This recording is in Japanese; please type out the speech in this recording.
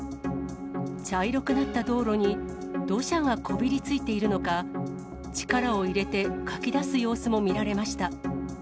茶色くなった道路に土砂がこびりついているのか、力を入れて、かき出す様子も見られました。